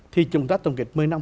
thì chúng ta tổng kết một mươi năm